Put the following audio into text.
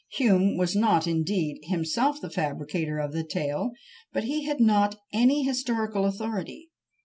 Hume was not, indeed, himself the fabricator of the tale; but he had not any historical authority.